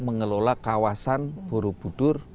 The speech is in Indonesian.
mengelola kawasan borobudur